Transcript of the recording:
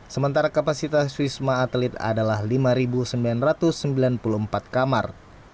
sementara kapasitas wisma atlet adalah lima sembilan ratus sembilan puluh empat kamar